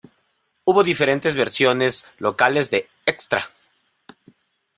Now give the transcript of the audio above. Hubo diferentes versiones locales de 'Xtra!